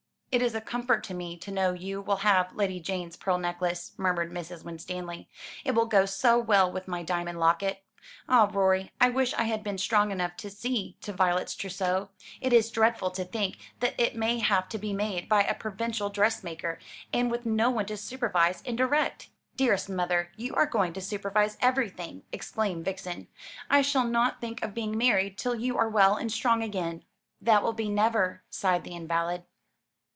"It is a comfort to me to know you will have Lady Jane's pearl necklace," murmured Mrs. Winstanley. "It will go so well with my diamond locket. Ah, Rorie, I wish I had been strong enough to see to Violet's trousseau. It is dreadful to think that it may have to be made by a provincial dressmaker, and with no one to supervise and direct." "Dearest mother, you are going to supervise everything," exclaimed Vixen. "I shall not think of being married till you are well and strong again." "That will be never," sighed the invalid.